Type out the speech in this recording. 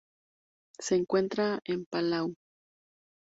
Se encuentra en Palau.